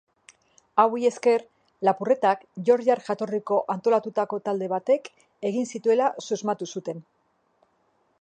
Hauei esker lapurretak georgiar jatorriko antolatutako talde batek egin zituela susmatu zuten.